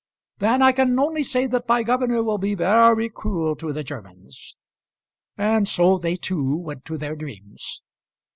"Then I can only say that my governor will be very cruel to the Germans." And so they two went to their dreams.